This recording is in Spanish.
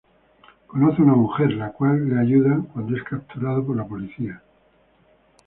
Conoce a una mujer, la cual lo ayuda cuando es capturado por la policía.